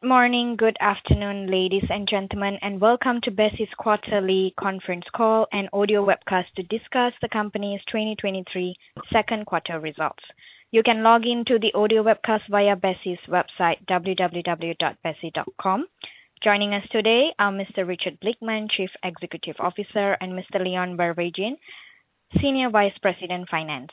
Good morning, good afternoon, ladies and gentlemen, and welcome to Besi's quarterly conference call and audio webcast to discuss the company's 2023 Q2 results. You can log into the audio webcast via Besi's website, www.besi.com. Joining us today are Mr. Richard Blickman, Chief Executive Officer, and Mr. Leon Verweijen, Senior Vice President, Finance.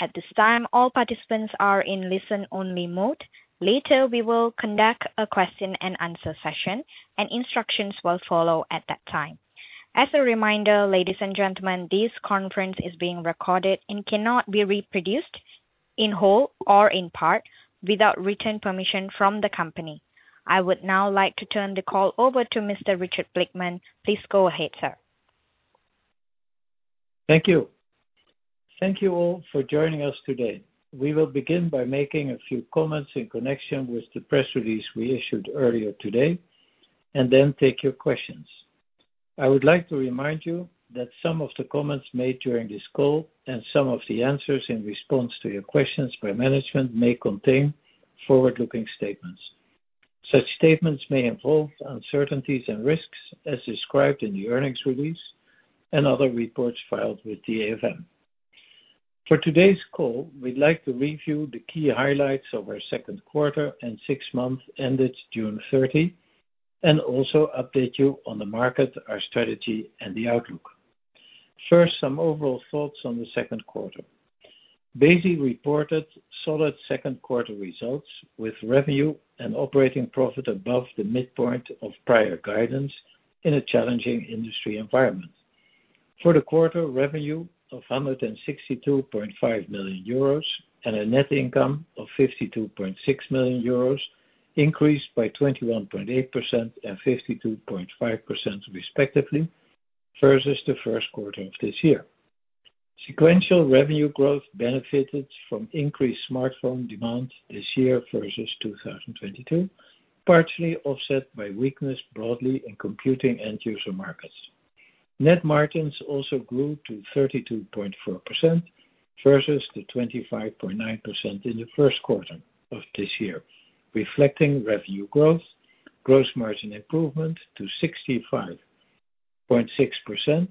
At this time, all participants are in listen-only mode. Later, we will conduct a question and answer session, and instructions will follow at that time. As a reminder, ladies and gentlemen, this conference is being recorded and cannot be reproduced in whole or in part without written permission from the company. I would now like to turn the call over to Mr. Richard Blickman. Please go ahead, sir. Thank you. Thank you all for joining us today. We will begin by making a few comments in connection with the press release we issued earlier today and then take your questions. I would like to remind you that some of the comments made during this call and some of the answers in response to your questions by management, may contain forward-looking statements. Such statements may involve uncertainties and risks as described in the earnings release and other reports filed with the AFM. For today's call, we'd like to review the key highlights of our Q2 and six months ended June thirty, and also update you on the market, our strategy, and the outlook. First, some overall thoughts on the Q2. Besi reported solid Q2 results, with revenue and operating profit above the midpoint of prior guidance in a challenging industry environment. For the quarter, revenue of 162.5 million euros and a net income of 52.6 million euros increased by 21.8% and 52.5%, respectively, versus the Q1 of this year. Sequential revenue growth benefited from increased smartphone demand this year versus 2022, partially offset by weakness broadly in computing end user markets. Net margins also grew to 32.4% versus the 25.9% in the Q1 of this year, reflecting revenue growth, gross margin improvement to 65.6%,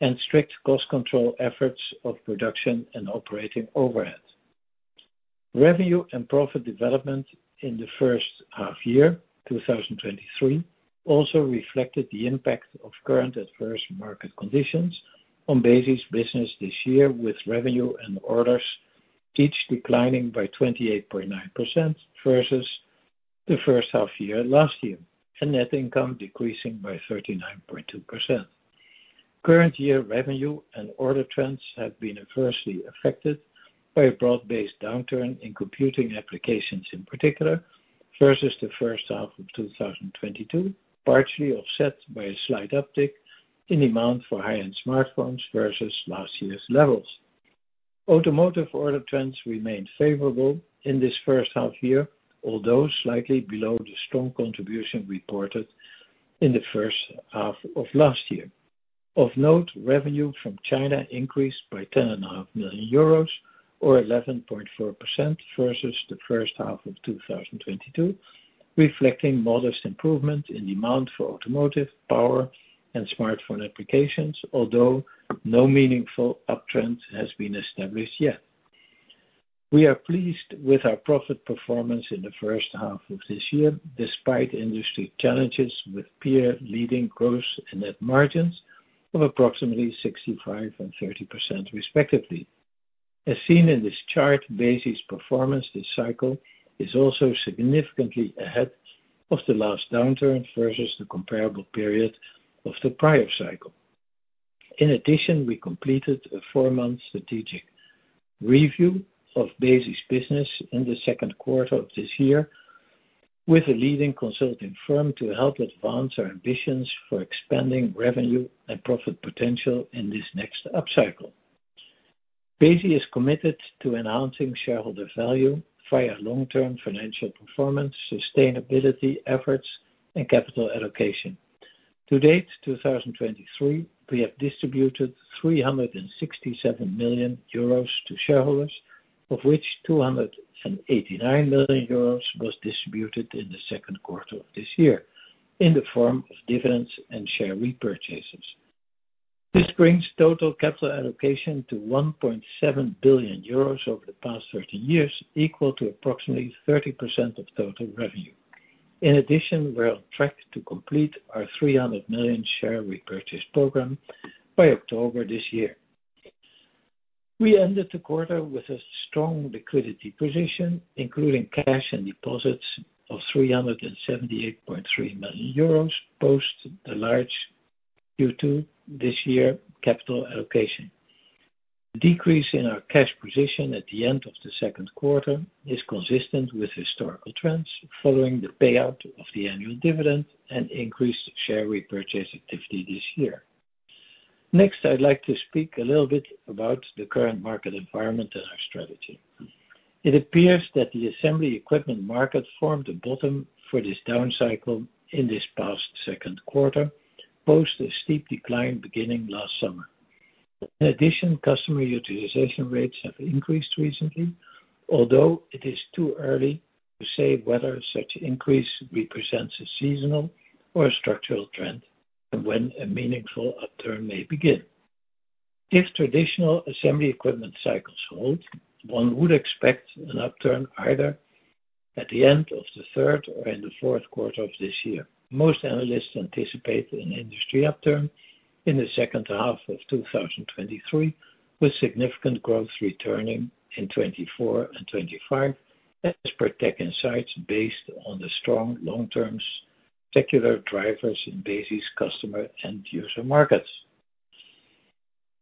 and strict cost control efforts of production and operating overheads. Revenue and profit development in the H1 year, 2023, also reflected the impact of current adverse market conditions on Besi's business this year, with revenue and orders each declining by 28.9% versus the H1 year last year, and net income decreasing by 39.2%. Current year revenue and order trends have been adversely affected by a broad-based downturn in computing applications, in particular, versus the H1 of 2022, partially offset by a slight uptick in demand for high-end smartphones versus last year's levels. Automotive order trends remained favorable in this H1 year, although slightly below the strong contribution reported in the H1 of last year. Of note, revenue from China increased by 10.5 million euros, or 11.4%, versus the H1 of 2022, reflecting modest improvement in demand for automotive, power, and smartphone applications, although no meaningful uptrend has been established yet. We are pleased with our profit performance in the H1 of this year, despite industry challenges with peer-leading growth and net margins of approximately 65% and 30%, respectively. As seen in this chart, Besi's performance this cycle is also significantly ahead of the last downturn versus the comparable period of the prior cycle. In addition, we completed a four-month strategic review of Besi's business in the Q2 of this year with a leading consulting firm to help advance our ambitions for expanding revenue and profit potential in this next upcycle. Besi is committed to enhancing shareholder value via long-term financial performance, sustainability efforts, and capital allocation. To date, 2023, we have distributed 367 million euros to shareholders, of which 289 million euros was distributed in the Q2 of this year in the form of dividends and share repurchases. This brings total capital allocation to 1.7 billion euros over the past 13 years, equal to approximately 30% of total revenue. In addition, we're on track to complete our 300 million share repurchase program by October this year. We ended the quarter with a strong liquidity position, including cash and deposits of 378.3 million euros, post the large Q2 this year capital allocation. The decrease in our cash position at the end of the Q2 is consistent with historical trends, following the payout of the annual dividend and increased share repurchase activity this year. Next, I'd like to speak a little bit about the current market environment and our strategy. It appears that the assembly equipment market formed a bottom for this down cycle in this past Q2, post a steep decline beginning last summer. In addition, customer utilization rates have increased recently, although it is too early to say whether such increase represents a seasonal or a structural trend, and when a meaningful upturn may begin. If traditional assembly equipment cycles hold, one would expect an upturn either at the end of the third or in the Q4 of this year. Most analysts anticipate an industry upturn in the H2 of 2023, with significant growth returning in 2024 and 2025, as per TechInsights, based on the strong long-term secular drivers in Besi's customer and user markets.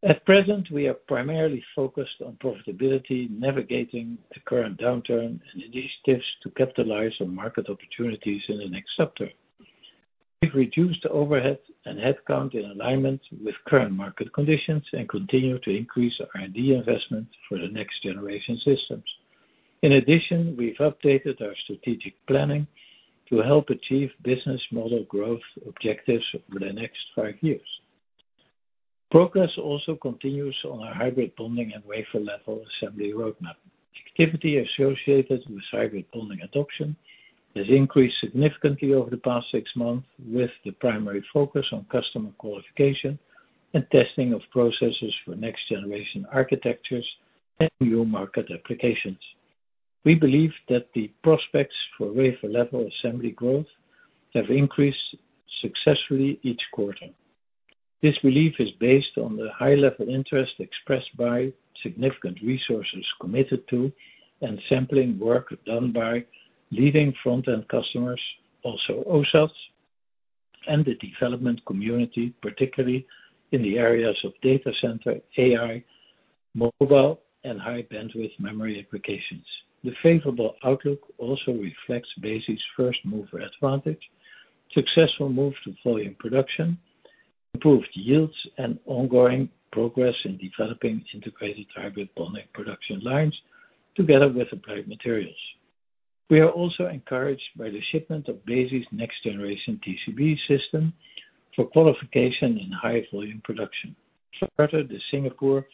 At present, we are primarily focused on profitability, navigating the current downturn, and initiatives to capitalize on market opportunities in the next sector. We've reduced overhead and headcount in alignment with current market conditions, and continue to increase our R&D investment for the next generation systems. We've updated our strategic planning to help achieve business model growth objectives over the next 5 years. Progress also continues on our hybrid bonding and wafer-level assembly roadmap. Activity associated with hybrid bonding adoption has increased significantly over the past 6 months, with the primary focus on customer qualification and testing of processes for next generation architectures and new market applications. We believe that the prospects for wafer-level assembly growth have increased successfully each quarter. This belief is based on the high level of interest expressed by significant resources committed to, and sampling work done by, leading front-end customers, also OSAT, and the development community, particularly in the areas of data center, AI, mobile, and high bandwidth memory applications. The favorable outlook also reflects Besi's first mover advantage, successful move to volume production, improved yields, and ongoing progress in developing integrated hybrid bonding production lines together with Applied Materials. We are also encouraged by the shipment of Besi's next generation TCB system for qualification in high volume production. Charter, the Singapore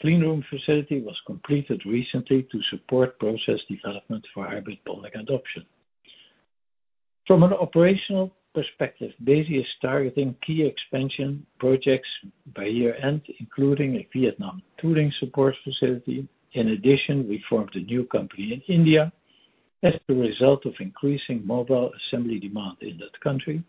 clean room facility, was completed recently to support process development for hybrid bonding adoption. From an operational perspective, Besi is targeting key expansion projects by year-end, including a Vietnam tooling support facility. In addition, we formed a new company in India as the result of increasing mobile assembly demand in that country.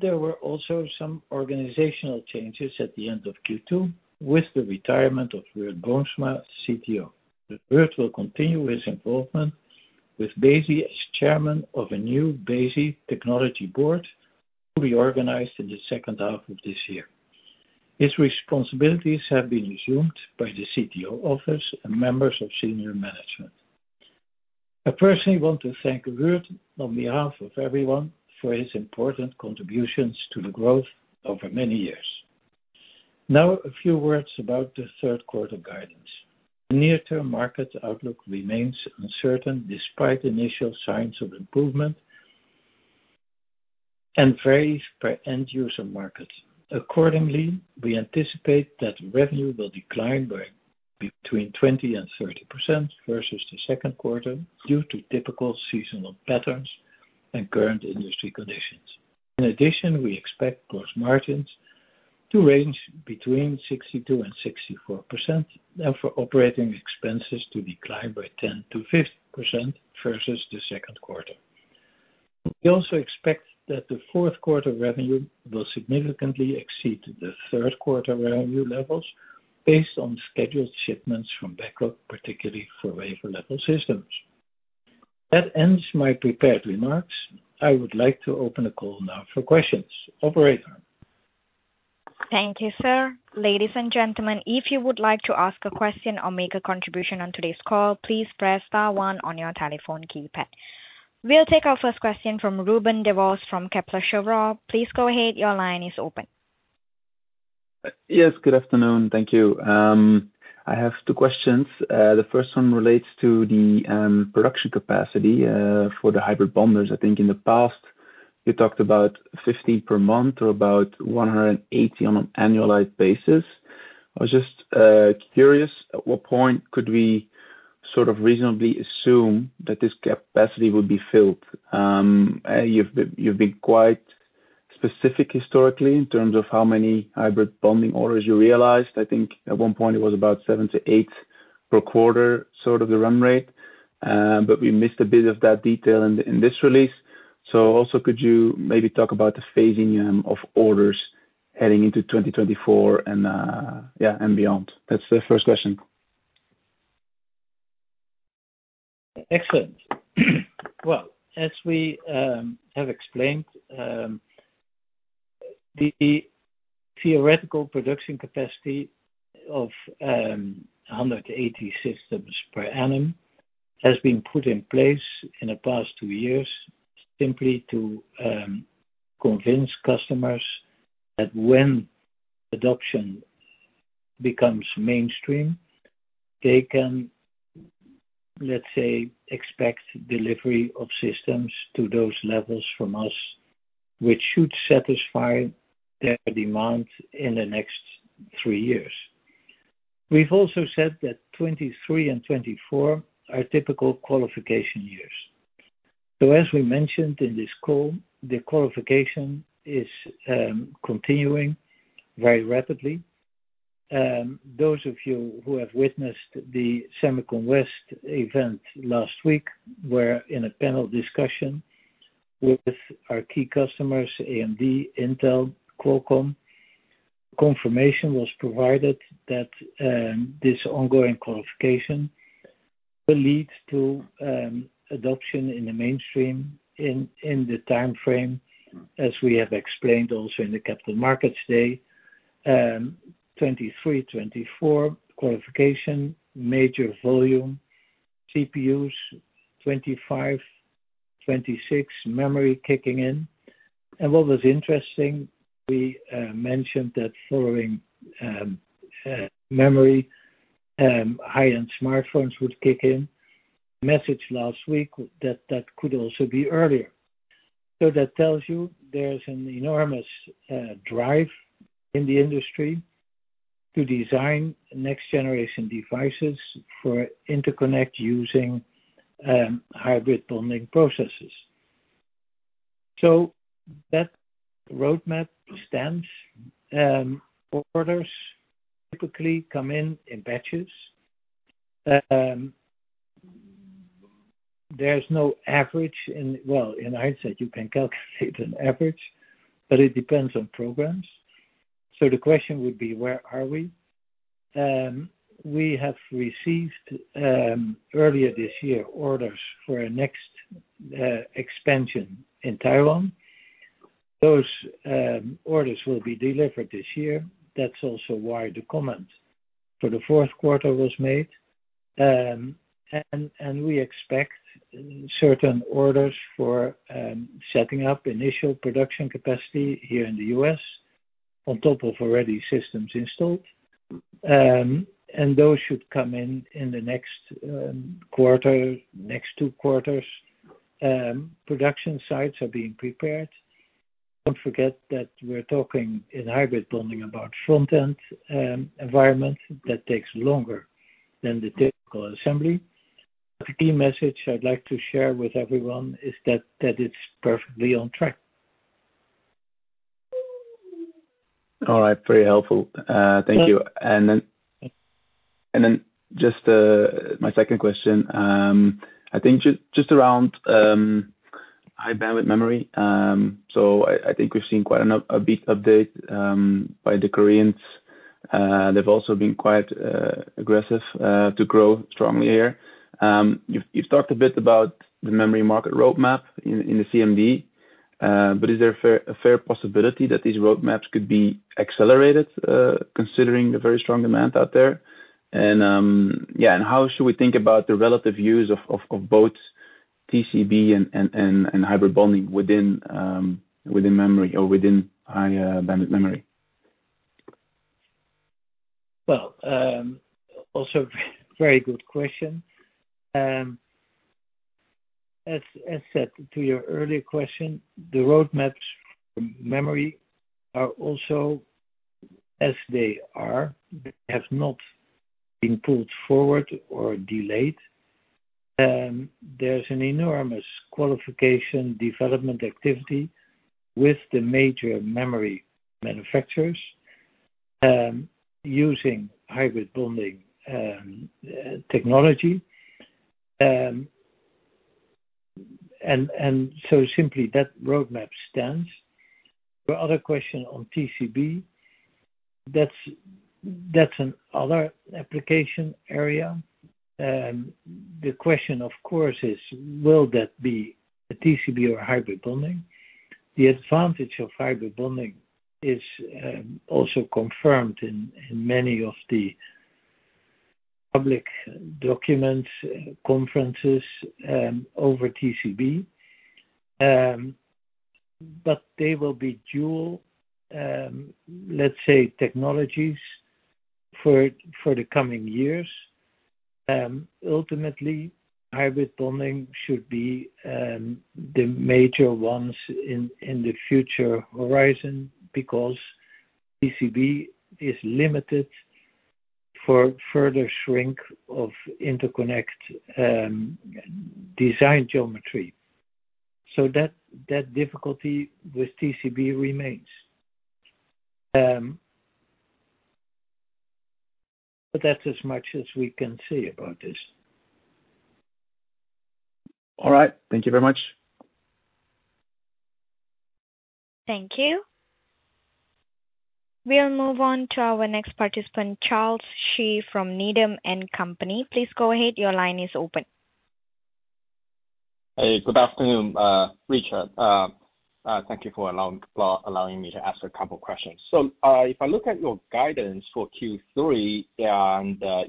There were also some organizational changes at the end of Q2 with the retirement of Geert Boonsma, CTO. Geert will continue his involvement with Besi as chairman of a new Besi technology board, to be organized in the H2 of this year. His responsibilities have been assumed by the CTO office and members of senior management. I personally want to thank Geert, on behalf of everyone, for his important contributions to the growth over many years. Now, a few words about the Q3 guidance. Near-term market outlook remains uncertain, despite initial signs of improvement, and varies per end user market. Accordingly, we anticipate that revenue will decline by between 20% and 30% versus the Q2, due to typical seasonal patterns and current industry conditions. We expect gross margins to range between 62% and 64%, and for operating expenses to decline by 10%-15% versus the Q2. We also expect that the Q4 revenue will significantly exceed the Q3 revenue levels, based on scheduled shipments from backlog, particularly for wafer-level systems. That ends my prepared remarks. I would like to open the call now for questions. Operator? Thank you, sir. Ladies and gentlemen, if you would like to ask a question or make a contribution on today's call, please press star one on your telephone keypad. We'll take our first question from Ruben Devos from Kepler Cheuvreux. Please go ahead. Your line is open. Yes, good afternoon. Thank you. I have two questions. The first one relates to the production capacity for the hybrid bonders. I think in the past, you talked about 50 per month or about 180 on an annualized basis. I was just curious, at what point could we sort of reasonably assume that this capacity would be filled? You've been quite specific historically in terms of how many hybrid bonding orders you realized. I think at one point it was about 7-8 per quarter, sort of the run rate. We missed a bit of that detail in this release. Also, could you maybe talk about the phasing of orders heading into 2024 and beyond? That's the first question. Excellent. Well, as we have explained, the theoretical production capacity of 180 systems per annum has been put in place in the past 2 years, simply to convince customers that when adoption becomes mainstream, they can, let's say, expect delivery of systems to those levels from us, which should satisfy their demand in the next 3 years. We've also said that 2023 and 2024 are typical qualification years. As we mentioned in this call, the qualification is continuing very rapidly. Those of you who have witnessed the SEMICON West event last week, were in a panel discussion with our key customers, AMD, Intel, Qualcomm. Confirmation was provided that this ongoing qualification will lead to adoption in the mainstream in the time frame, as we have explained also in the Capital Markets Day. 2023, 2024 qualification, major volume, CPUs, 2025, 2026, memory kicking in. What was interesting, we mentioned that following memory, high-end smartphones would kick in. Message last week that that could also be earlier. That tells you there's an enormous drive in the industry to design next generation devices for interconnect using hybrid bonding processes. That roadmap stands. Orders typically come in, in batches. There's no average in... Well, in hindsight, you can calculate an average, but it depends on programs. The question would be, where are we? We have received earlier this year, orders for our next expansion in Taiwan. Those orders will be delivered this year. That's also why the comment for the Q4 was made. We expect certain orders for setting up initial production capacity here in the U.S., on top of already systems installed. Those should come in, in the next quarter, next two quarters. Production sites are being prepared. Don't forget that we're talking in hybrid bonding about front-end environment that takes longer than the typical assembly. The key message I'd like to share with everyone is that it's perfectly on track. All right. Very helpful. Thank you. My second question, I think just around high bandwidth memory. I, I think we've seen quite a big update by the Koreans. They've also been quite aggressive to grow strongly here. You've talked a bit about the memory market roadmap in the CMD, but is there a fair possibility that these roadmaps could be accelerated considering the very strong demand out there? Yeah, and how should we think about the relative use of both TCB and hybrid bonding within memory or within high bandwidth memory? Also very good question. As said to your earlier question, the roadmaps memory are also as they are, they have not been pulled forward or delayed. There's an enormous qualification development activity with the major memory manufacturers, using hybrid bonding technology. Simply, that roadmap stands. The other question on TCB, that's another application area. The question, of course, is, will that be a TCB or hybrid bonding? The advantage of hybrid bonding is also confirmed in many of the public documents, conferences, over TCB. They will be dual, let's say, technologies for the coming years. Ultimately, hybrid bonding should be the major ones in the future horizon, because TCB is limited for further shrink of interconnect design geometry. That difficulty with TCB remains. That's as much as we can say about this. All right. Thank you very much. Thank you. We'll move on to our next participant, Charles Shi from Needham & Company. Please go ahead. Your line is open. Hey, good afternoon, Richard. Thank you for allowing me to ask a couple questions. If I look at your guidance for Q3,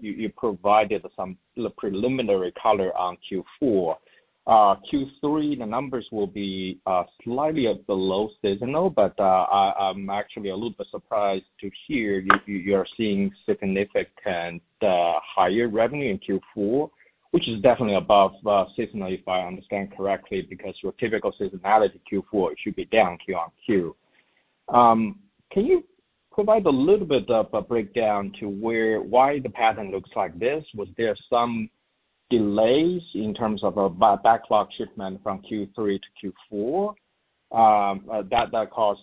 you provided some preliminary color on Q4. Q3, the numbers will be slightly below seasonal, but I'm actually a little bit surprised to hear you're seeing significant higher revenue in Q4, which is definitely above seasonal, if I understand correctly, because your typical seasonality, Q4, it should be down Q on Q. Can you provide a little bit of a breakdown to why the pattern looks like this? Was there some delays in terms of backlog shipment from Q3 to Q4 that caused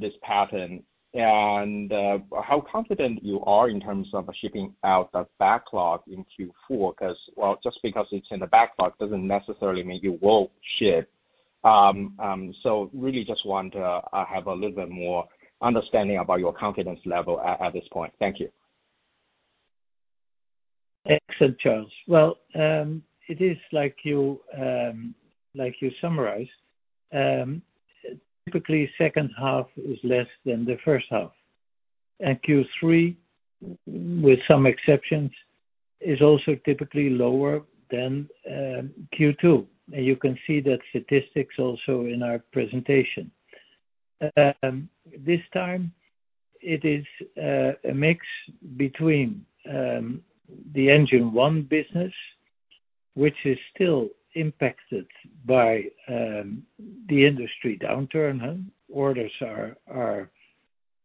this pattern? How confident you are in terms of shipping out that backlog in Q4, 'cause, well, just because it's in the backlog doesn't necessarily mean you will ship. Really just want to have a little bit more understanding about your confidence level at this point. Thank you. Excellent, Charles. Well, it is like you, like you summarized, typically, H2 is less than the H1, and Q3, with some exceptions, is also typically lower than Q2. You can see that statistics also in our presentation. This time, it is a mix between the Engine 1 business, which is still impacted by the industry downturn, huh? Orders are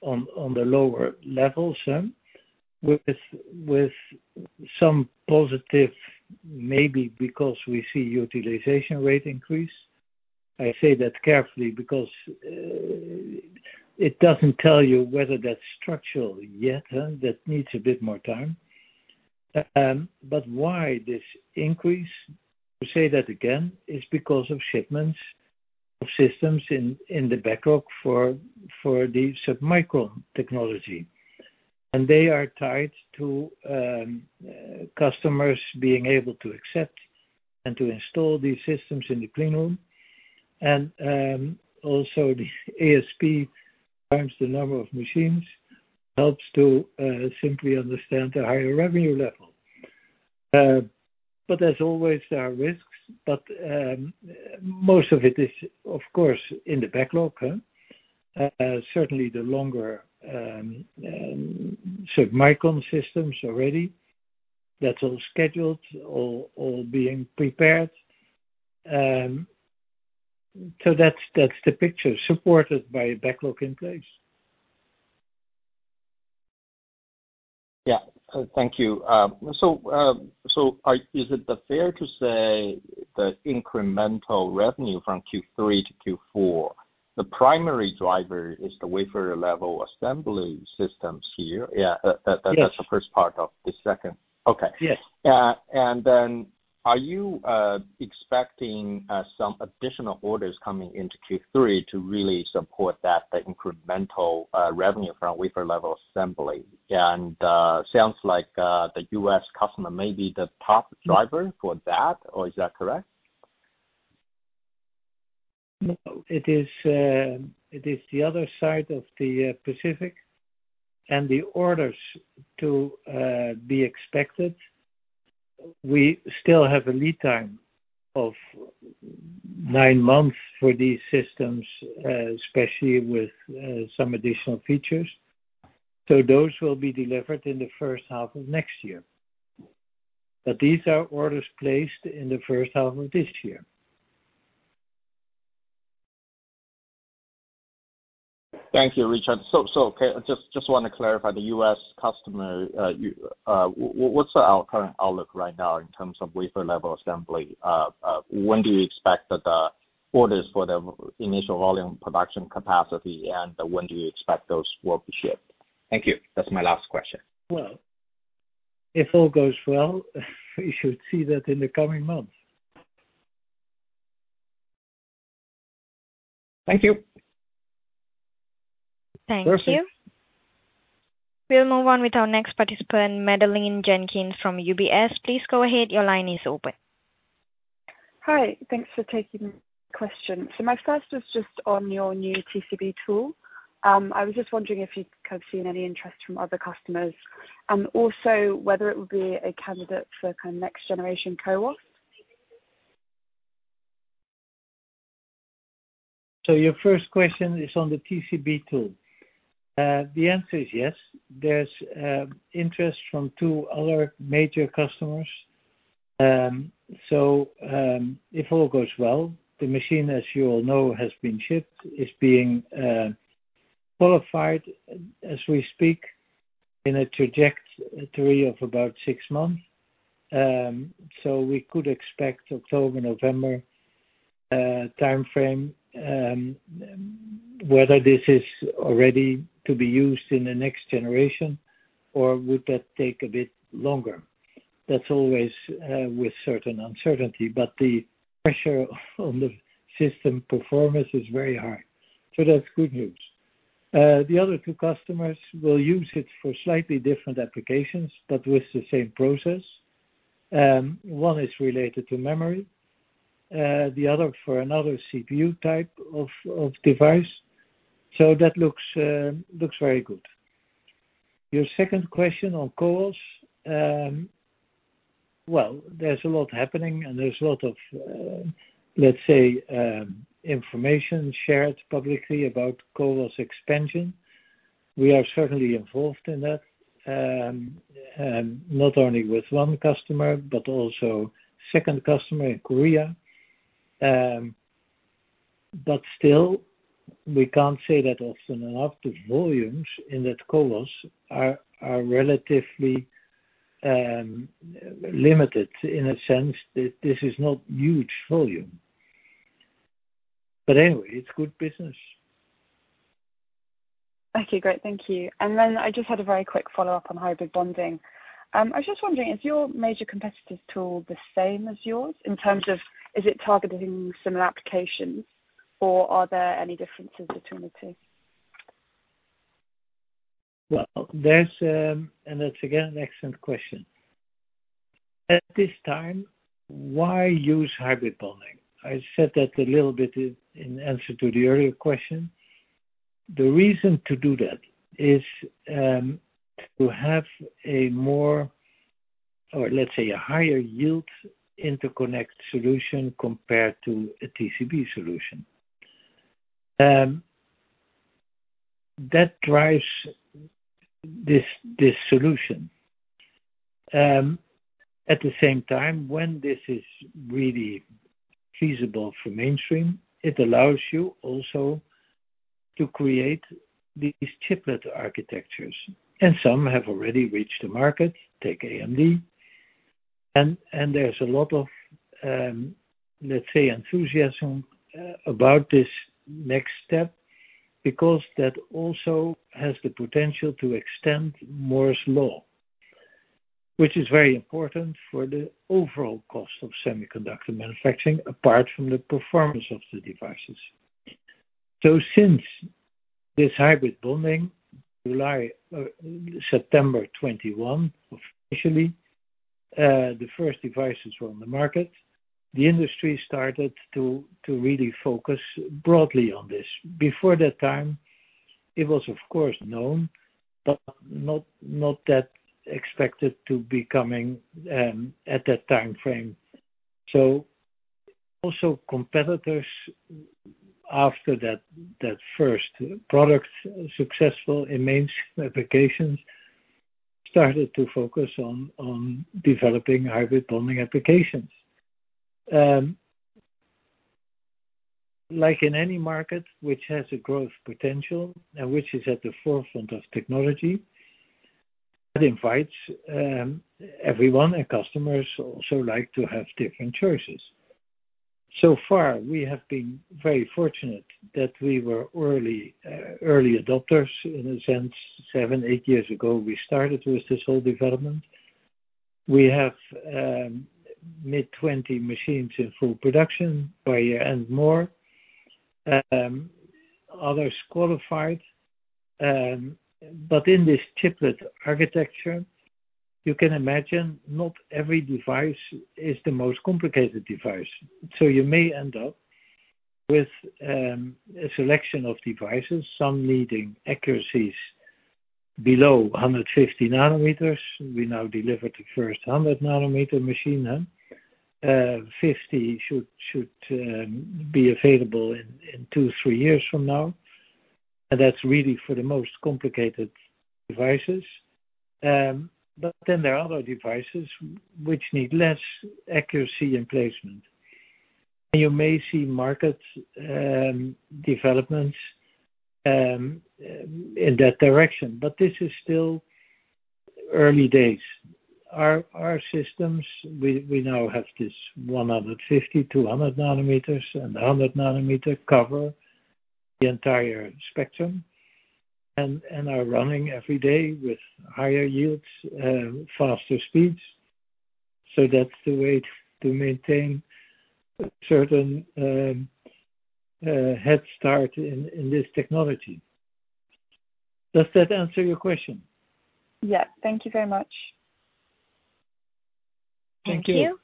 on the lower levels, huh, with some positive, maybe because we see utilization rate increase. I say that carefully because it doesn't tell you whether that's structural yet, huh, that needs a bit more time. Why this increase? To say that again, is because of shipments of systems in the backlog for the submicron technology. They are tied to customers being able to accept and to install these systems in the clean room. Also the ASP, times the number of machines, helps to simply understand the higher revenue level. As always, there are risks, but most of it is, of course, in the backlog, huh? Certainly the longer submicron systems already, that's all scheduled, all being prepared. That's the picture supported by a backlog in place. Yeah. Thank you. Is it fair to say that incremental revenue from Q3 to Q4, the primary driver is the wafer-level assembly systems here? Yes. That's the first part of the second. Okay. Yes. Are you, expecting, some additional orders coming into Q3 to really support that, the incremental, revenue from wafer-level assembly? Sounds like, the U.S. customer may be the top driver for that, or is that correct? It is the other side of the Pacific, the orders to be expected. We still have a lead time of nine months for these systems, especially with some additional features. Those will be delivered in the H1 of next year. These are orders placed in the H1 of this year. Thank you, Richard. Okay, I just want to clarify the U.S. customer, what's our current outlook right now in terms of wafer-level assembly? When do you expect that the orders for the initial volume production capacity, and when do you expect those will be shipped? Thank you. That's my last question. Well, if all goes well, we should see that in the coming months. Thank you! Thank you. We'll move on with our next participant, Madeleine Jenkins from UBS. Please go ahead. Your line is open. Hi, thanks for taking my question. My first is just on your new TCB tool. I was just wondering if you have seen any interest from other customers, and also whether it would be a candidate for kind of next generation CoWoS? Your first question is on the TCB tool. The answer is yes. There's interest from two other major customers. If all goes well, the machine, as you all know, has been shipped, is being qualified as we speak, in a traject 3 of about six months. We could expect October, November timeframe, whether this is already to be used in the next generation or would that take a bit longer? That's always with certain uncertainty, but the pressure on the system performance is very high. That's good news. The other two customers will use it for slightly different applications, but with the same process. One is related to memory, the other for another CPU type of device. That looks very good. Your second question on CoWoS. Well, there's a lot happening, and there's a lot of, let's say, information shared publicly about CoWoS expansion. We are certainly involved in that, and not only with one customer, but also second customer in Korea. Still, we can't say that often enough, the volumes in that CoWoS are relatively limited in a sense that this is not huge volume. Anyway, it's good business. Okay, great. Thank you. Then I just had a very quick follow-up on hybrid bonding. I was just wondering, is your major competitor's tool the same as yours in terms of is it targeting similar applications, or are there any differences between the two? Well, there's. That's, again, an excellent question. At this time, why use hybrid bonding? I said that a little bit in answer to the earlier question. The reason to do that is to have a more, or let's say, a higher yield interconnect solution compared to a TCB solution. That drives this solution. At the same time, when this is really feasible for mainstream, it allows you also to create these chiplet architectures, and some have already reached the market, take AMD. There's a lot of, let's say, enthusiasm about this next step, because that also has the potential to extend Moore's Law, which is very important for the overall cost of semiconductor manufacturing, apart from the performance of the devices. Since this hybrid bonding, July, September 21, officially, the first devices were on the market, the industry started to really focus broadly on this. Before that time, it was of course known, but not that expected to be coming at that time frame. Also competitors, after that first product successful in mainstream applications, started to focus on developing hybrid bonding applications. Like in any market which has a growth potential and which is at the forefront of technology, it invites everyone and customers also like to have different choices. So far, we have been very fortunate that we were early adopters in a sense. 7, 8 years ago, we started with this whole development. We have mid-20 machines in full production per year and more others qualified. In this chiplet architecture, you can imagine not every device is the most complicated device. You may end up with a selection of devices, some needing accuracies below 150 nanometers. We now delivered the first 100 nanometer machine, 50 should be available in 2, 3 years from now, and that's really for the most complicated devices. There are other devices which need less accuracy and placement, and you may see markets developments in that direction. This is still early days. Our systems now have this 150 to 100 nanometers and 100 nanometer cover the entire spectrum and are running every day with higher yields, faster speeds. That's the way to maintain a certain head start in this technology. Does that answer your question? Yeah. Thank you very much. Thank you. Thank you.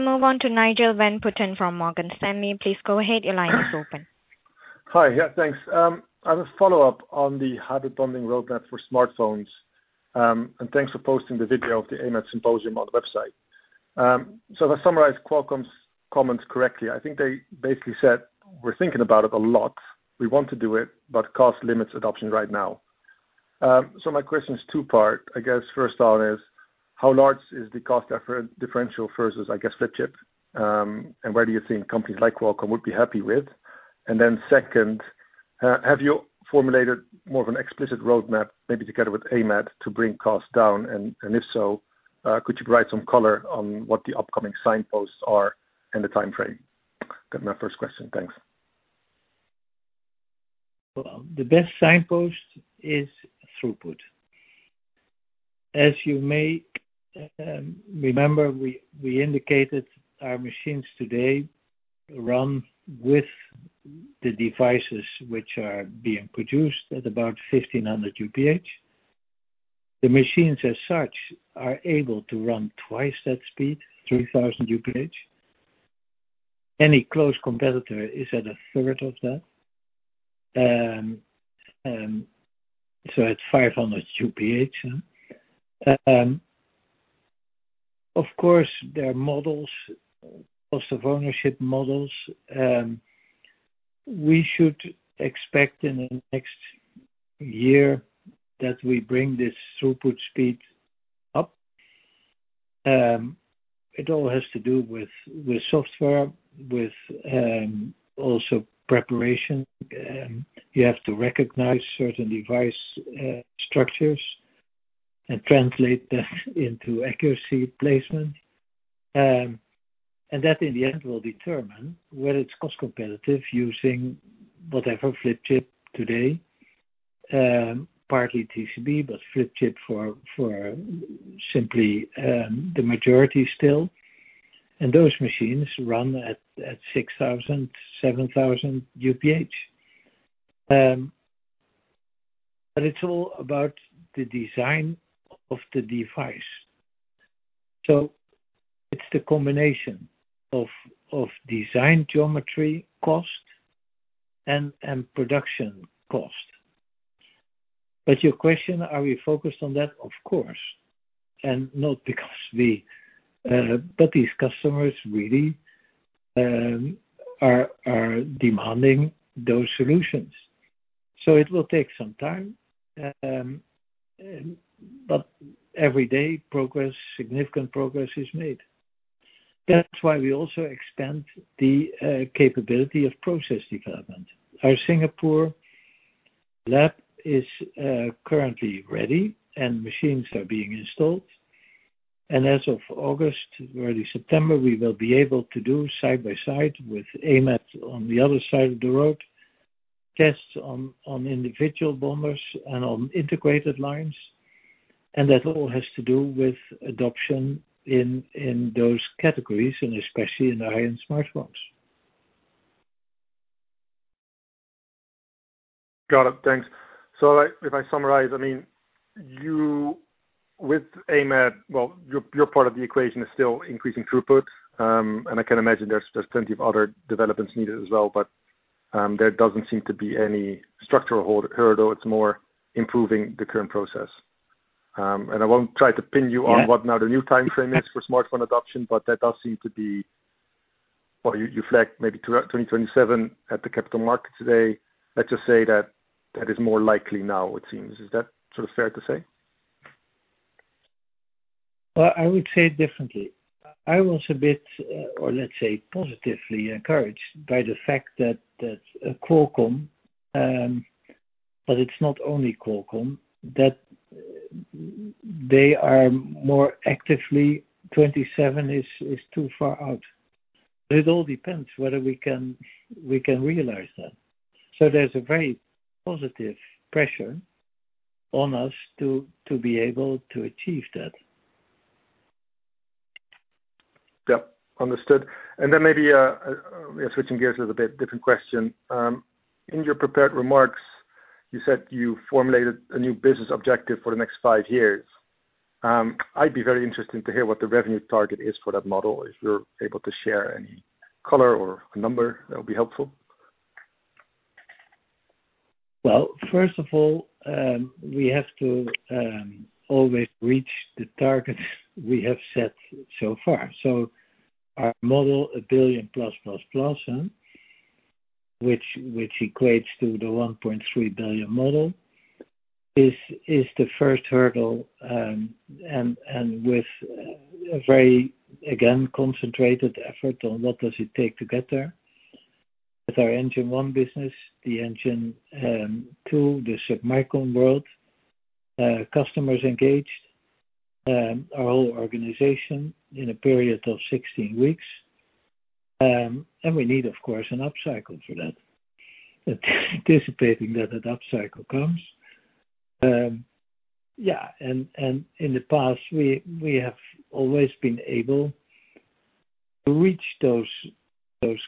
We'll move on to Nigel van Putten from Morgan Stanley. Please go ahead. Your line is open. Hi. Yeah, thanks. I have a follow-up on the hybrid bonding roadmap for smartphones. Thanks for posting the video of the AMAT symposium on the website. To summarize Qualcomm's comments correctly, I think they basically said, "We're thinking about it a lot. We want to do it, but cost limits adoption right now." My question is 2-part. I guess first one is: How large is the cost effort differential versus, I guess, Flip-chip? Where do you think companies like Qualcomm would be happy with? Then second, have you formulated more of an explicit roadmap, maybe together with AMAT, to bring costs down? If so, could you provide some color on what the upcoming signposts are and the time frame? That's my first question. Thanks. Well, the best signpost is throughput. As you may remember, we indicated our machines today run with the devices which are being produced at about 1,500 UPH. The machines as such, are able to run twice that speed, 3,000 UPH. Any close competitor is at a third of that. It's 500 UPH. Of course, there are models, cost of ownership models. We should expect in the next year that we bring this throughput speed up. It all has to do with software, with also preparation. You have to recognize certain device structures and translate that into accuracy placement. That, in the end, will determine whether it's cost competitive using whatever flip chip today, partly TCB, but flip chip for simply the majority still. Those machines run at 6,000, 7,000 UPH. It's all about the design of the device. It's the combination of design, geometry, cost, and production cost. Your question, are we focused on that? Of course, not because we, these customers really are demanding those solutions. It will take some time, every day, significant progress is made. That's why we also expand the capability of process development. Our Singapore lab is currently ready, machines are being installed, as of August, early September, we will be able to do side by side with AMAT on the other side of the road, tests on individual bombers and on integrated lines. That all has to do with adoption in those categories, especially in the high-end smartphones. Got it. Thanks. If I summarize, I mean, you with AMAT, well, your part of the equation is still increasing throughput. I can imagine there's plenty of other developments needed as well, but, there doesn't seem to be any structural hold hurdle. It's more improving the current process. I won't try to pin you on- Yeah. What now the new timeframe is for smartphone adoption, but that does seem to be, or you, you flagged maybe toward 2027 at the Capital Markets Day. Let's just say that that is more likely now, it seems. Is that sort of fair to say? I would say it differently. I was a bit, or let's say, positively encouraged by the fact that Qualcomm, it's not only Qualcomm, that they are more actively 2027 is too far out. It all depends whether we can realize that. There's a very positive pressure on us to be able to achieve that. Yep, understood. Maybe switching gears a little bit, different question. In your prepared remarks, you said you formulated a new business objective for the next five years. I'd be very interested to hear what the revenue target is for that model. If you're able to share any color or a number, that would be helpful. Well, first of all, we have to always reach the targets we have set so far. Our model, 1 billion plus, plus, plus, which equates to the 1.3 billion model, is the first hurdle, and with a very, again, concentrated effort on what does it take to get there. With our Engine 1 business, the Engine 2, the submicron world, customers engaged our whole organization in a period of 16 weeks. We need, of course, an upcycle for that. Anticipating that an upcycle comes. Yeah, and in the past, we have always been able to reach those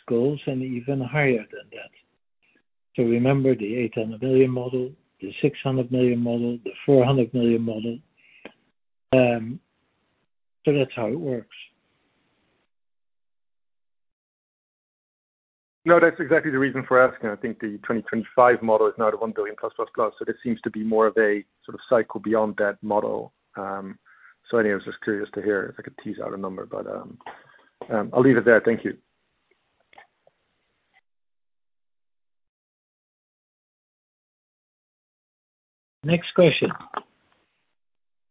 goals and even higher than that. Remember the 800 million model, the 600 million model, the 400 million model. That's how it works. No, that's exactly the reason for asking. I think the 2025 model is now the $1 billion plus, plus, plus. This seems to be more of a sort of cycle beyond that model. Anyway, I was just curious to hear if I could tease out a number, but I'll leave it there. Thank you. Next question.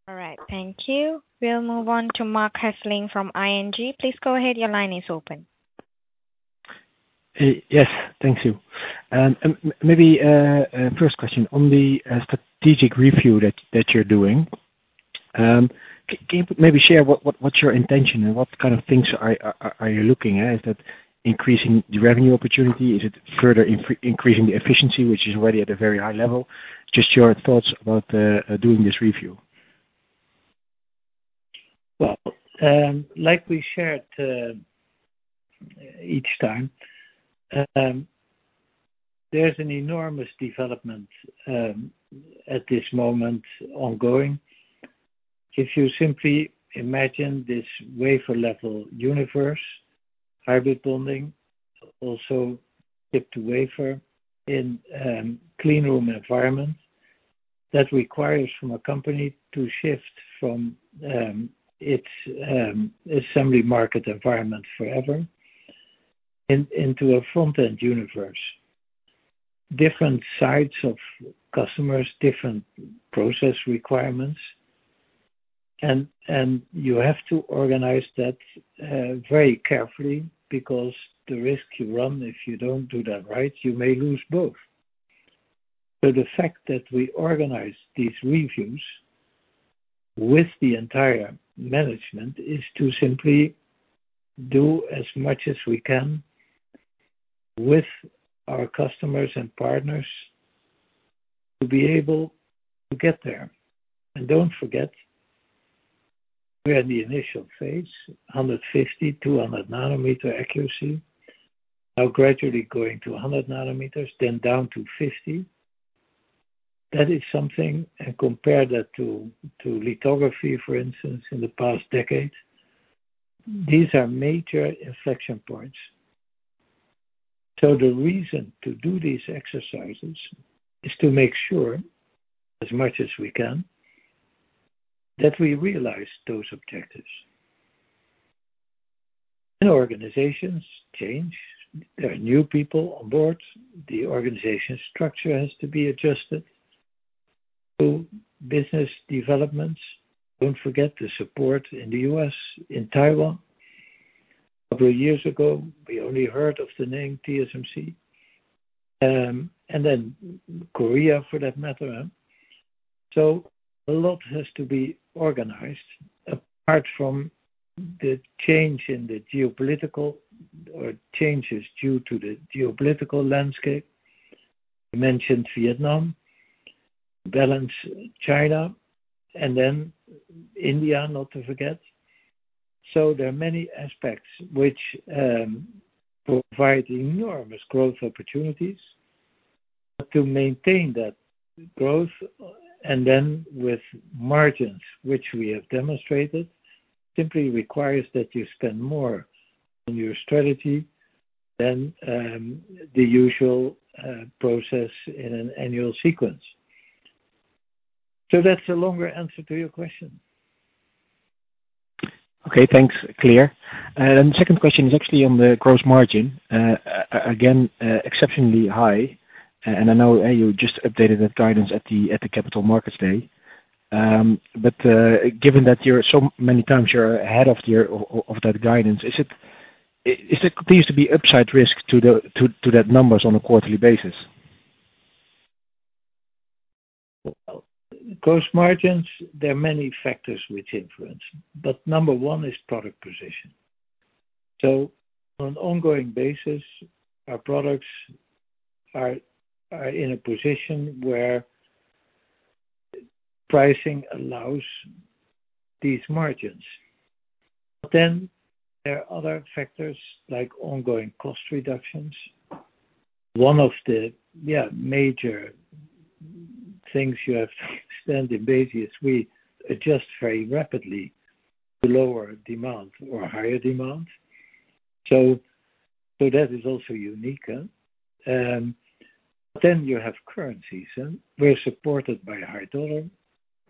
All right. Thank you. We'll move on to Marc Hesselink from ING. Please go ahead. Your line is open. Yes, thank you. Maybe, first question, on the strategic review that you're doing. Can you maybe share what's your intention and what kind of things are you looking at? Is that increasing the revenue opportunity? Is it further increasing the efficiency, which is already at a very high level? Just your thoughts about doing this review? Well, like we shared each time, there's an enormous development at this moment, ongoing. If you simply imagine this wafer-level universe, hybrid bonding, also chip-to-wafer in clean room environment, that requires from a company to shift from its assembly market environment forever in, into a front-end universe. Different sides of customers, different process requirements, and you have to organize that very carefully, because the risk you run, if you don't do that right, you may lose both. The fact that we organize these reviews with the entire management, is to simply do as much as we can with our customers and partners to be able to get there. Don't forget, we're in the initial phase, 150, 200 nanometer accuracy, now gradually going to 100 nanometers, then down to 50. That is something. Compare that to, to lithography, for instance, in the past decade. These are major inflection points. The reason to do these exercises is to make sure, as much as we can, that we realize those objectives. Organizations change. There are new people on board. The organization structure has to be adjusted. Business developments, don't forget the support in the U.S., in Taiwan. A couple of years ago, we only heard of the name TSMC, and then Korea, for that matter, huh. A lot has to be organized, apart from the change in the geopolitical or changes due to the geopolitical landscape. You mentioned Vietnam, balance China, and then India, not to forget. There are many aspects which provide enormous growth opportunities. To maintain that growth, and then with margins, which we have demonstrated, simply requires that you spend more on your strategy than the usual process in an annual sequence. That's a longer answer to your question. Okay, thanks. Clear. Second question is actually on the gross margin, again, exceptionally high, and I know you just updated the guidance at the Capital Markets Day. Given that you're so many times ahead of the year of that guidance, is it appears to be upside risk to that numbers on a quarterly basis? Gross margins, there are many factors which influence, but number one is product position. On an ongoing basis, our products are in a position where pricing allows these margins. There are other factors like ongoing cost reductions. One of the, yeah, major things you have to extend the basis, we adjust very rapidly to lower demand or higher demand. That is also unique, and then you have currencies, and we're supported by hard dollar.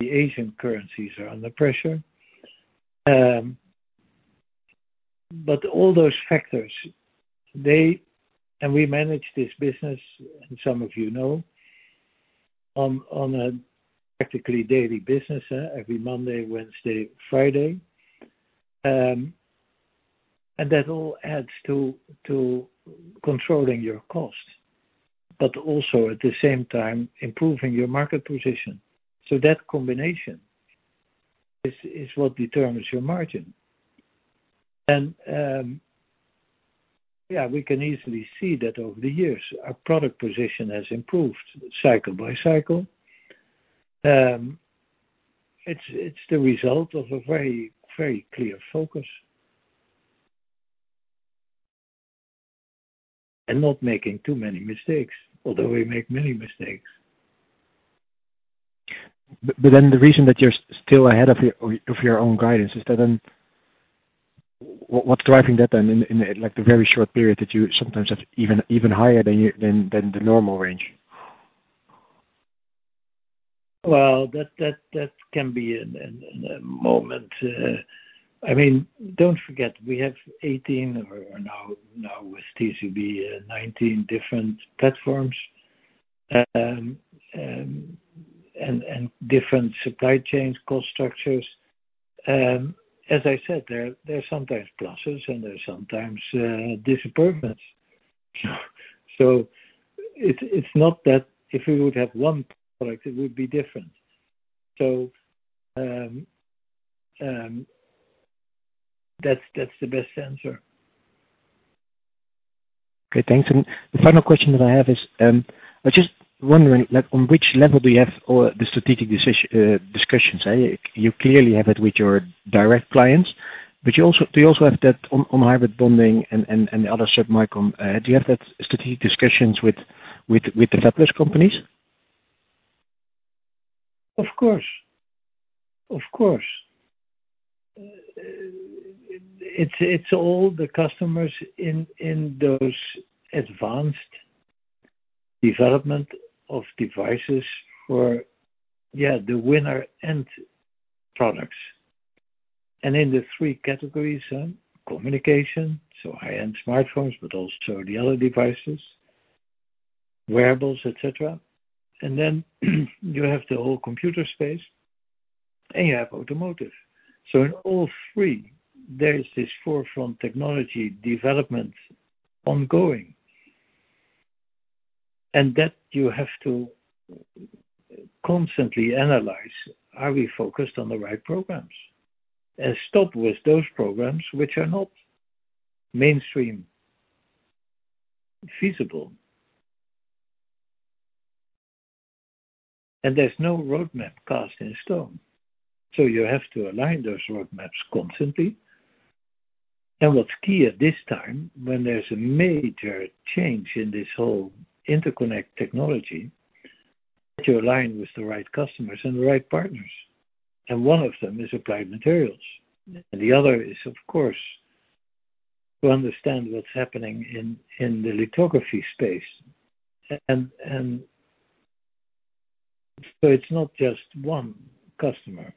The Asian currencies are under pressure. All those factors, they. We manage this business, and some of you know, on a practically daily business, every Monday, Wednesday, Friday. That all adds to controlling your cost, but also at the same time, improving your market position. That combination is what determines your margin. Yeah, we can easily see that over the years, our product position has improved cycle by cycle. It's the result of a very, very clear focus. Not making too many mistakes, although we make many mistakes. The reason that you're still ahead of your own guidance, is that then, what's driving that then, in like the very short period that you sometimes have even higher than the normal range? Well, that can be in a moment, I mean, don't forget, we have 18 or now with TCB, 19 different platforms, and different supply chains, cost structures. As I said, there are sometimes pluses and there are sometimes disappointments. It's not that if we would have one product, it would be different. That's the best answer. Okay, thanks. The final question that I have is, I was just wondering, like, on which level do you have the strategic discussions? You clearly have it with your direct clients, but do you also have that on hybrid bonding and the other submicron, do you have that strategic discussions with the fabless companies? Of course. Of course. It's all the customers in those advanced development of devices for the winner end products. In the three categories, communication, so high-end smartphones, but also the other devices, wearables, et cetera. You have the whole computer space, and you have automotive. In all three, there is this forefront technology development ongoing. That you have to constantly analyze, are we focused on the right programs? Stop with those programs which are not mainstream feasible. There's no roadmap cast in stone, you have to align those roadmaps constantly. What's key at this time, when there's a major change in this whole interconnect technology, that you align with the right customers and the right partners, and one of them is Applied Materials. The other is, of course, to understand what's happening in the lithography space. It's not just one customer.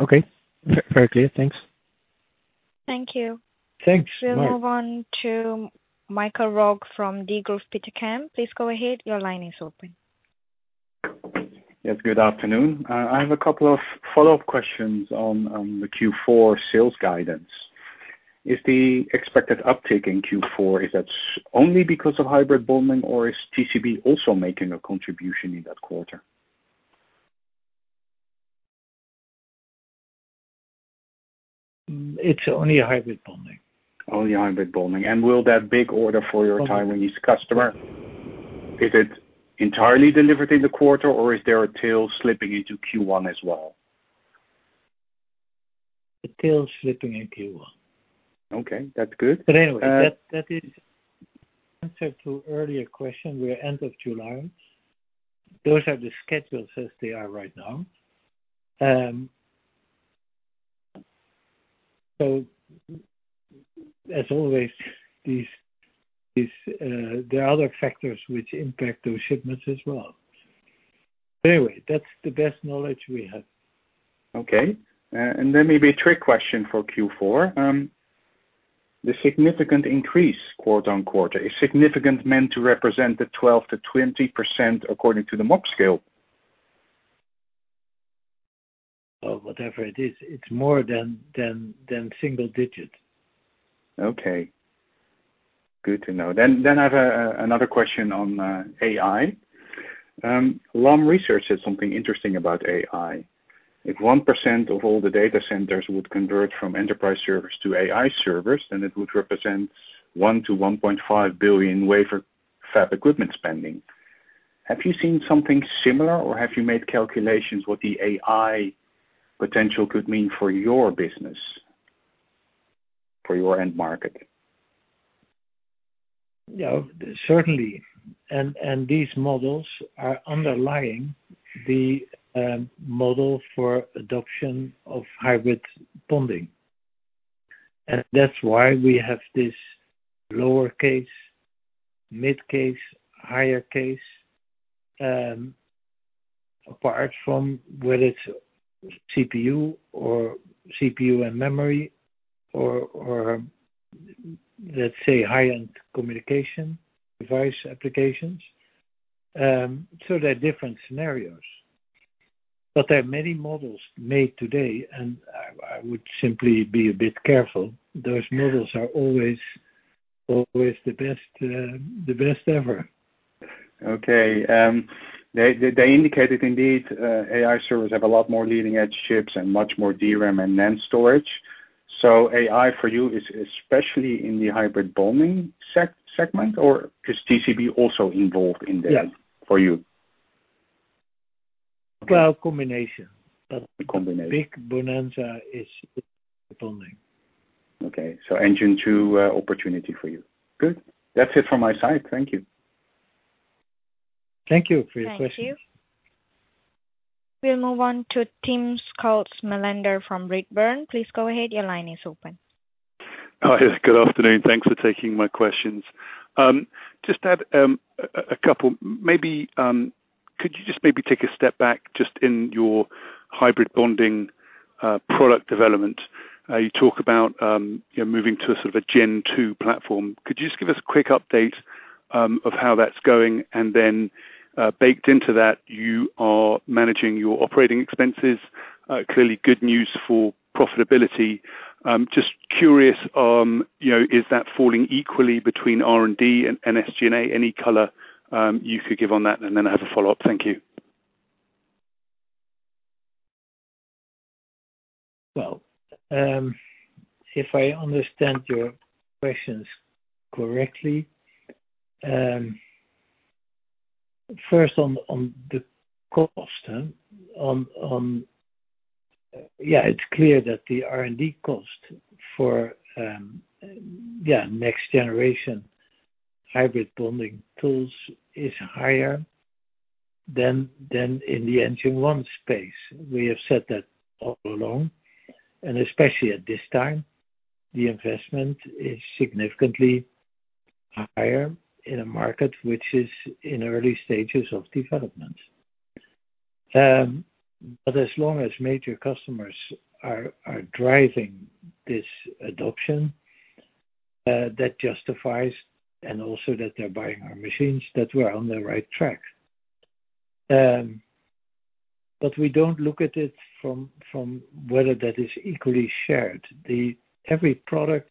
Okay. Very clear. Thanks. Thank you. Thanks. We'll move on to Michael Roeg from Degroof Petercam. Please go ahead. Your line is open. Yes, good afternoon. I have a couple of follow-up questions on the Q4 sales guidance. Is the expected uptick in Q4, is that only because of hybrid bonding, or is TCB also making a contribution in that quarter? It's only a hybrid bonding. Only hybrid bonding. Will that big order for your Taiwanese customer, is it entirely delivered in the quarter, or is there a tail slipping into Q1 as well? The tail is slipping in Q1. Okay, that's good. Anyway, that is answer to earlier question, we're end of July. Those are the schedules as they are right now. As always, these, there are other factors which impact those shipments as well. Anyway, that's the best knowledge we have. Okay. Then maybe a trick question for Q4. The significant increase quarter-on-quarter, is significant meant to represent the 12%-20% according to the midpoint scale? Whatever it is, it's more than single digit. Okay. Good to know. I have another question on AI. Lam Research said something interesting about AI. If 1% of all the data centers would convert from enterprise servers to AI servers, then it would represent $1 billion-$1.5 billion wafer fab equipment spending. Have you seen something similar, or have you made calculations what the AI potential could mean for your business, for your end market? Yeah, certainly. These models are underlying the model for adoption of hybrid bonding. That's why we have this lowercase, mid case, higher case, apart from whether it's CPU or CPU and memory or, let's say, high-end communication device applications. There are different scenarios, but there are many models made today, and I, I would simply be a bit careful. Those models are always the best, the best ever. Okay, they indicated indeed, AI servers have a lot more leading-edge chips and much more DRAM and NAND storage. AI for you is especially in the hybrid bonding segment, or is TCB also involved in there? Yeah. for you? Well, a combination. Combination. Big bonanza is bonding. Okay. Engine 2, opportunity for you. Good. That's it from my side. Thank you. Thank you for your question. Thank you. We'll move on to Timm Schulze-Melander, from Redburn. Please go ahead. Your line is open. Hi, good afternoon. Thanks for taking my questions. Just have a couple. Maybe, could you just maybe take a step back just in your hybrid bonding product development? You talk about, you're moving to a sort of a gen two platform. Could you just give us a quick update of how that's going, Baked into that, you are managing your operating expenses. Clearly good news for profitability. Just curious, you know, is that falling equally between R&D and SG&A? Any color you could give on that, and then I have a follow-up. Thank you. Well, if I understand your questions correctly, first on the cost, huh? On, yeah, it's clear that the R&D cost for, yeah, next generation hybrid bonding tools is higher than in the Engine 1 space. Especially at this time, the investment is significantly higher in a market which is in early stages of development. As long as major customers are driving this adoption, that justifies, and also that they're buying our machines, that we're on the right track. We don't look at it from whether that is equally shared. Every product,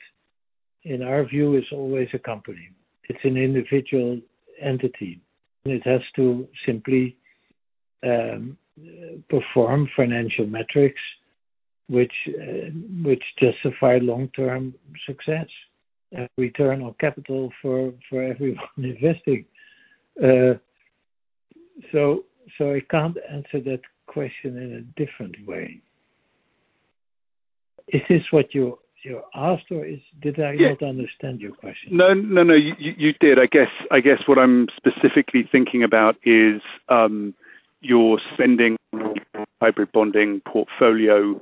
in our view, is always a company. It's an individual entity, and it has to simply perform financial metrics which justify long-term success and return on capital for everyone investing. I can't answer that question in a different way. Is this what you, you asked, or Yeah. Did I not understand your question? No, no, no. You did. I guess what I'm specifically thinking about is, your spending hybrid bonding portfolio.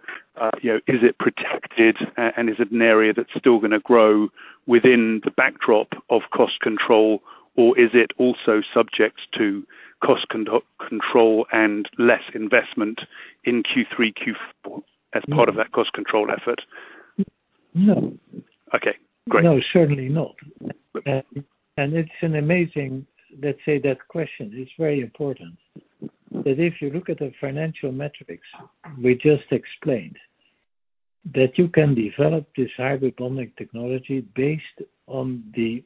You know, is it protected, and is it an area that's still gonna grow within the backdrop of cost control, or is it also subject to cost control and less investment in Q3, Q4? as part of that cost control effort? No. Okay, great. No, certainly not. Let's say that question is very important. If you look at the financial metrics we just explained, that you can develop this hybrid bonding technology based on the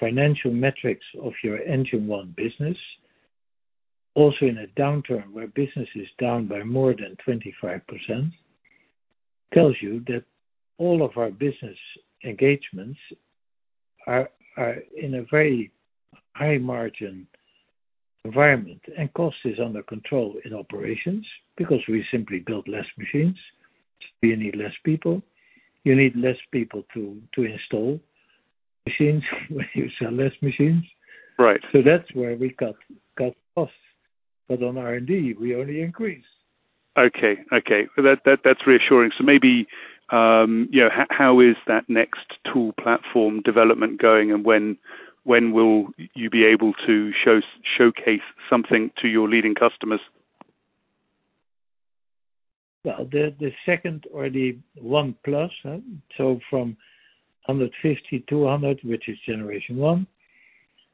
financial metrics of your Engine 1 business, also in a downturn where business is down by more than 25%, tells you that all of our business engagements are in a very high margin environment, and cost is under control in operations, because we simply build less machines. You need less people. You need less people to install machines when you sell less machines. Right. That's where we cut costs, but on R&D, we only increase. Okay. That's reassuring. Maybe, you know, how is that next tool platform development going and when will you be able to showcase something to your leading customers? The second or the 1-plus, huh, so from 150 to 200, which is generation 1,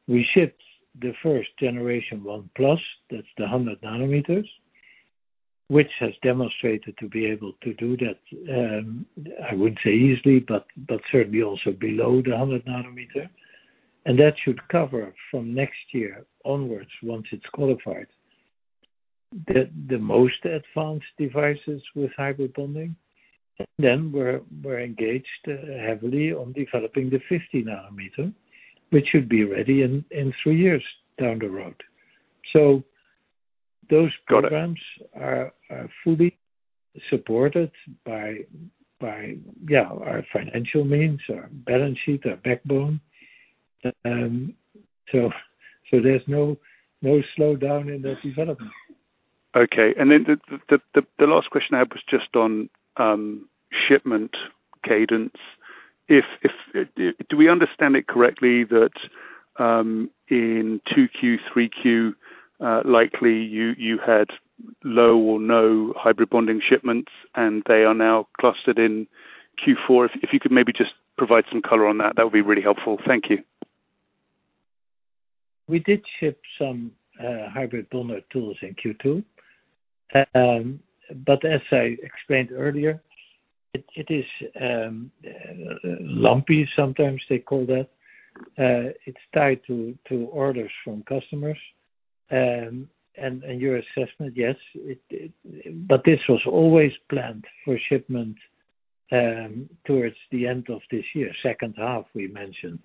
we shipped the first generation 1-plus, that's the 100 nanometers, which has demonstrated to be able to do that, I wouldn't say easily, but certainly also below the 100 nanometer. That should cover from next year onwards, once it's qualified. The most advanced devices with hybrid bonding, we're engaged heavily on developing the 50 nanometer, which should be ready in 3 years down the road. Got it. programs are fully supported by our financial means, our balance sheet, our backbone. There's no slowdown in that development. Okay. Then the last question I had was just on shipment cadence. If do we understand it correctly that in 2Q, 3Q, likely you had low or no hybrid bonding shipments, and they are now clustered in Q4? If you could maybe just provide some color on that, that would be really helpful. Thank you. We did ship some hybrid bonder tools in Q2. As I explained earlier, it is lumpy, sometimes they call that. It's tied to orders from customers. Your assessment, yes, it did. This was always planned for shipment towards the end of this year, H2, we mentioned.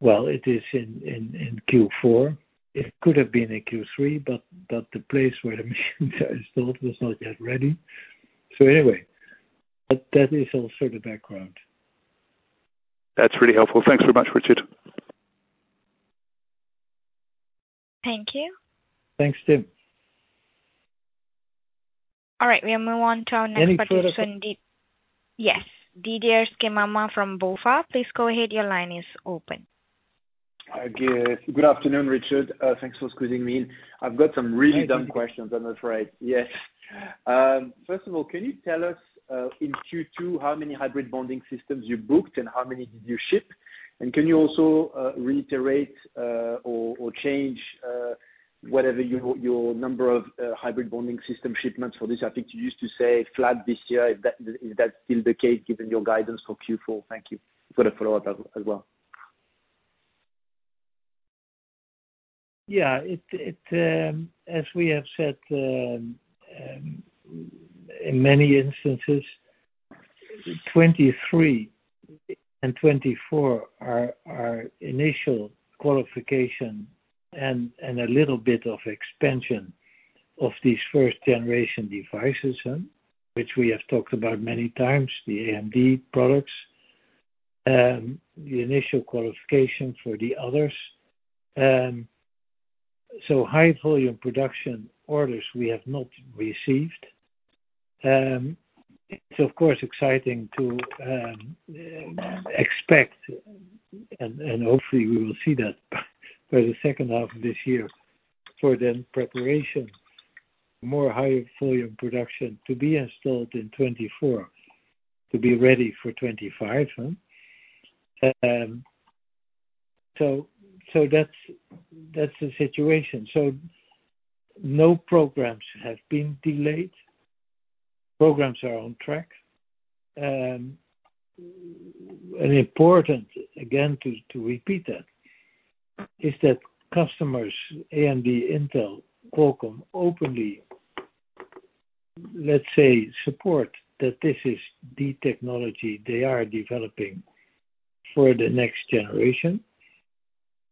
It is in Q4. It could have been in Q3, but the place where the machines are installed was not yet ready. Anyway, that is also the background. That's really helpful. Thanks so much, Richard. Thank you. Thanks, Tim. All right, we'll move on to our next participant. Any further? Yes. Didier Scemama from BofA, please go ahead. Your line is open. Good afternoon, Richard. Thanks for squeezing me in. Thank you. Dumb questions, I'm afraid. Yes. First of all, can you tell us in Q2, how many hybrid bonding systems you booked and how many did you ship? Can you also, reiterate, or change, whatever your number of hybrid bonding system shipments for this? I think you used to say flat this year. Is that still the case given your guidance for Q4? Thank you. Got a follow-up as well. Yeah, it, as we have said, in many instances, 2023 and 2024 are initial qualification and a little bit of expansion of these first generation devices, huh, which we have talked about many times, the AMD products, the initial qualification for the others. High volume production orders we have not received. It's of course exciting to expect, and hopefully we will see that by the H2 of this year, for then preparation, more high volume production to be installed in 2024, to be ready for 2025, huh. That's the situation. No programs have been delayed. Programs are on track. Important, again, to repeat that, is that customers, AMD, Intel, Qualcomm, openly, let's say, support that this is the technology they are developing for the next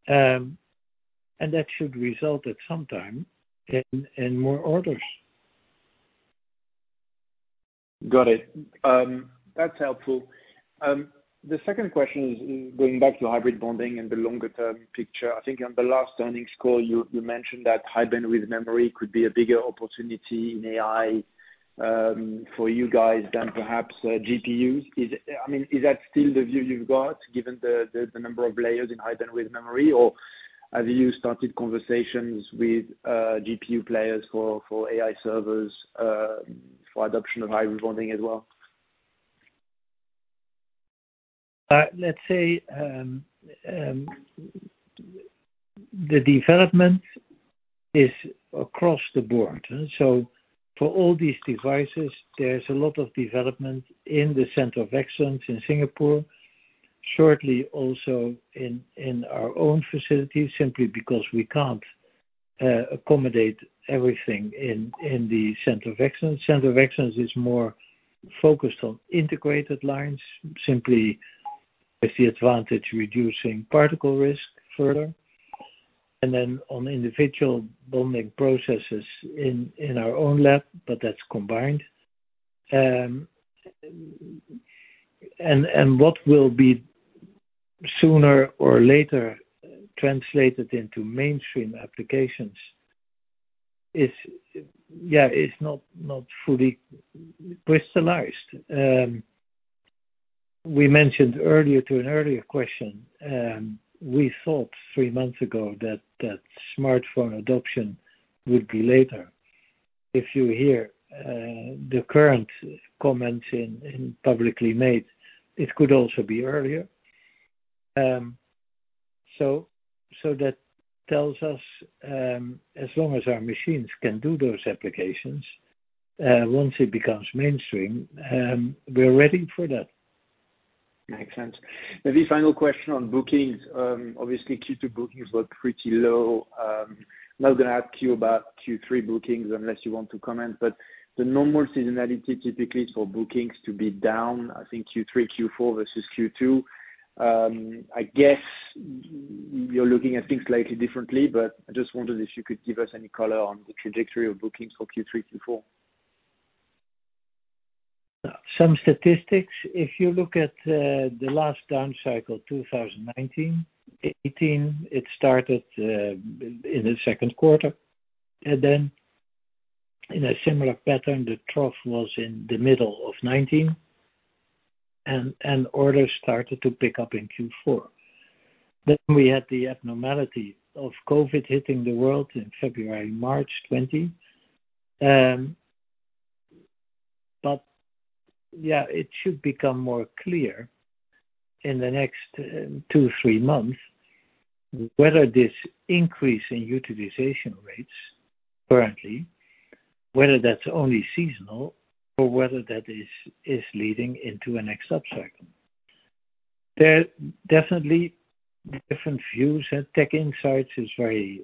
generation. That should result at some time in more orders. Got it. That's helpful. The second question is going back to hybrid bonding and the longer term picture. I think on the last earnings call, you, you mentioned that high bandwidth memory could be a bigger opportunity in AI for you guys than perhaps GPUs. I mean, is that still the view you've got, given the number of layers in high bandwidth memory? Or have you started conversations with GPU players for AI servers for adoption of hybrid bonding as well? Let's say, the development is across the board, so for all these devices, there's a lot of development in the Center of Excellence in Singapore. Shortly also in our own facilities, simply because we can't accommodate everything in the Center of Excellence. Center of Excellence is more focused on integrated lines, simply with the advantage, reducing particle risk further, and then on individual bonding processes in our own lab, but that's combined. What will be sooner or later translated into mainstream applications is not fully crystallized. We mentioned earlier to an earlier question, we thought three months ago that smartphone adoption would be later. If you hear the current comments in publicly made, it could also be earlier. That tells us as long as our machines can do those applications, once it becomes mainstream, we're ready for that. Makes sense. Maybe final question on bookings. Obviously, Q2 bookings were pretty low. Not gonna ask you about Q3 bookings unless you want to comment, but the normal seasonality typically is for bookings to be down, I think Q3, Q4 versus Q2. I guess you're looking at things slightly differently, but I just wondered if you could give us any color on the trajectory of bookings for Q3, Q4. Some statistics. If you look at the last down cycle, 2019, 2018, it started in the Q2, and then in a similar pattern, the trough was in the middle of 2019, and orders started to pick up in Q4. We had the abnormality of COVID hitting the world in February, March 2020. Yeah, it should become more clear in the next 2, 3 months, whether this increase in utilization rates currently, whether that's only seasonal or whether that is leading into the next up cycle. There are definitely different views, and TechInsights is very,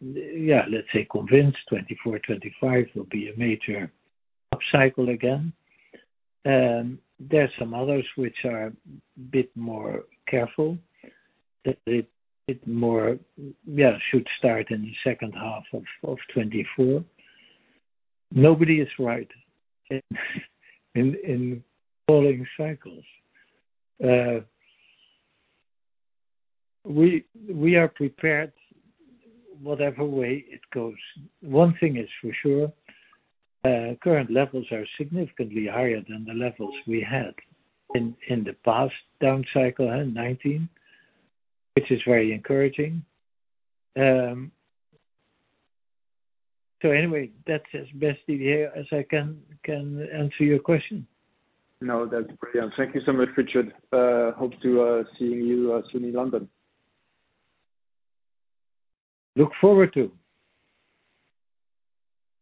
yeah, let's say convinced 2024, 2025 will be a major up cycle again. There are some others which are a bit more careful, that it more, yeah, should start in the H2 of 2024. Nobody is right in following cycles. We are prepared whatever way it goes. One thing is for sure, current levels are significantly higher than the levels we had in the past down cycle in 2019, which is very encouraging. Anyway, that's as best as I can answer your question. No, that's brilliant. Thank you so much, Richard. Hope to seeing you soon in London. Look forward to.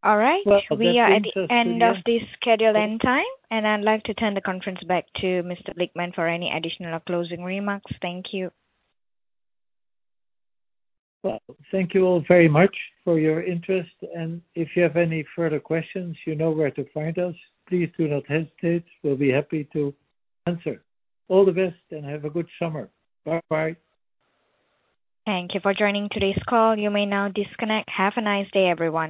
All right. We are at the end of this schedule end time, and I'd like to turn the conference back to Mr. Blickman for any additional closing remarks. Thank you. Thank you all very much for your interest. If you have any further questions, you know where to find us. Please do not hesitate. We'll be happy to answer. All the best. Have a good summer. Bye-bye. Thank you for joining today's call. You may now disconnect. Have a nice day, everyone.